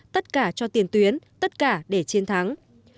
tất cả cho tiền tuyến tất cả để chiến thắng